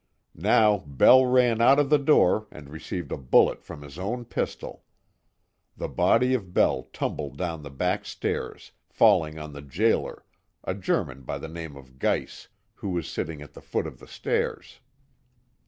Now Bell ran out of the door and received a bullet from his own pistol. The body of Bell tumbled down the back stairs, falling on the jailer, a German by the name of Geiss, who was sitting at the foot of the stairs.